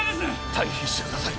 退避してください